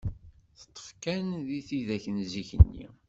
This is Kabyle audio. Teṭṭef kan di tidak n zik-nni.